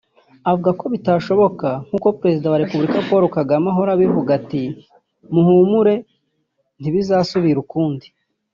avuga ko bitashoboka nkuko Perezida wa Repubulika Paul Kagame ahora abivuga ati “Muhumure Ntibizasubira ukundi”